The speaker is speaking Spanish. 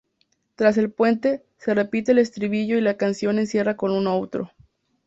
Tras el puente, se repite el estribillo y la canción cierra con un outro.